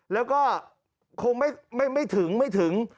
แล้วก็คงไม่ถึง